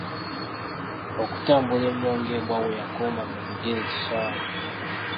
Okutambula ennyo ng’embwa gwe yakomba mu bigere kikyamu.